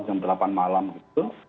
jam delapan malam gitu